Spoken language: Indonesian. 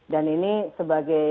dan ini sebagai